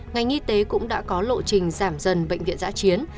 ngành y tế cũng đã có lộ trình giảm dần bệnh viện giã chiến